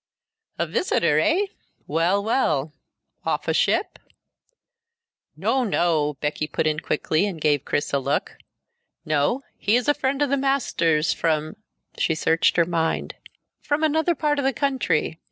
"A visitor, eh? Well, well. Off a ship?" "No no!" Becky put in quickly, and gave Chris a look. "No. He is a friend of the master's, from " she searched her mind "from another part of the country.